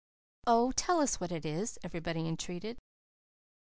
"Oh, tell us, what is it?" everybody entreated.